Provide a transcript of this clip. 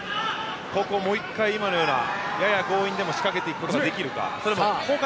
ここ、もう１回、今のようなやや強引でも仕掛けていくことができるか。